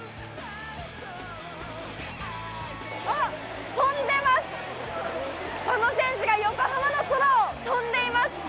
あっ、飛んでます、佐野選手が横浜の空を飛んでます。